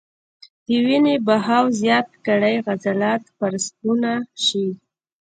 د وينې بهاو زيات کړي عضلات پرسکونه شي -